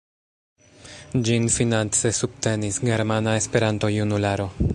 Ĝin finance subtenis Germana Esperanto-Junularo.